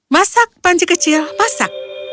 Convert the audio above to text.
masak panci kecil masak